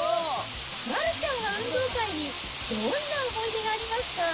丸ちゃんは運動会にどんな思い出がありますか？